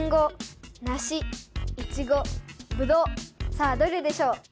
さあどれでしょう？